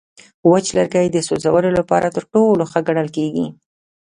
وچ لرګی د سوځولو لپاره تر ټولو ښه ګڼل کېږي.